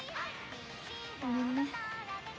ごめんね。